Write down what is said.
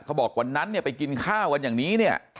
บอกวันนั้นเนี่ยไปกินข้าวกันอย่างนี้เนี่ย